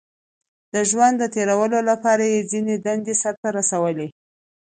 • د ژوند تېرولو لپاره یې ځینې دندې سر ته رسولې.